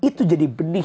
itu jadi benih